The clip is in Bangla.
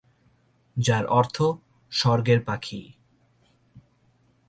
যার অর্থ "স্বর্গের পাখি"।